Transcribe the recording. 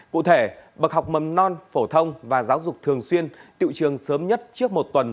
cụ thể bậc học mầm non phổ thông và giáo dục thường xuyên tiệu trường sớm nhất trước một tuần